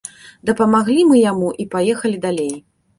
Дапамаглі мы яму і паехалі далей.